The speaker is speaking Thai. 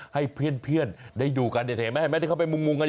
ให้เพลือนได้ดูกันเห็นไหมที่เข้าไปมุ่งกันอยู่ตรงนั้น